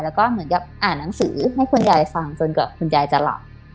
แล้วก็เหมือนกับอ่านหนังสือให้คุณยายฟังจนกว่าคุณยายจะหลับ